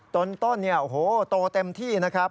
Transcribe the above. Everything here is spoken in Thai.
ต้นนี่โตเต็มที่นะครับ